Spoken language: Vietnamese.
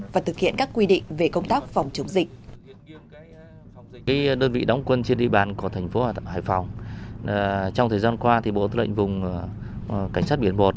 và thực hiện các quy định về công tác phòng chống dịch